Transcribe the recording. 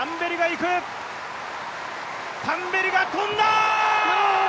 タンベリが跳んだ！